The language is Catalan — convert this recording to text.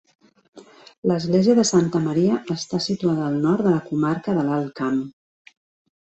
L'església de Santa Maria està situada al nord de la comarca de l'Alt Camp.